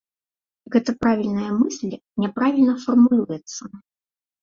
Гэта правільная мысль няправільна фармулюецца.